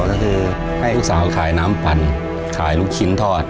ก็คือให้ลูกสาวขายน้ำปั่นขายลูกชิ้นทอด